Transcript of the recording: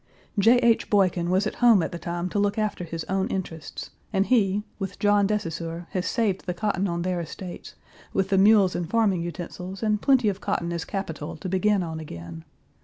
J. H. Boykin was at home at the time to look after his own interests, and he, with John de Saussure, has saved the cotton on their estates, with the mules and farming utensils and plenty of cotton as capital to begin on again.